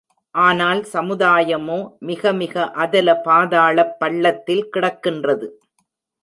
ஆனால் சமுதாயமோ மிகமிக அதல பாதாளப் பள்ளத்தில் கிடக்கின்றது.